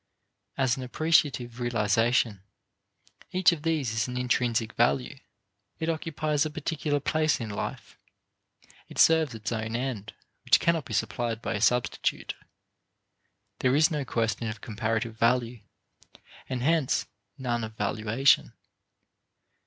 As an appreciative realization, each of these is an intrinsic value. It occupies a particular place in life; it serves its own end, which cannot be supplied by a substitute. There is no question of comparative value, and hence none of valuation.